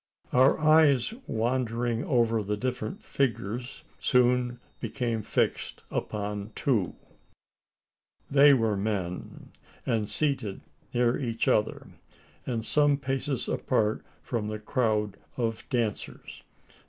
Our eyes, wandering over the different figures, soon became fixed upon two. They were men, and seated near each other, and some paces apart from the crowd of dancers.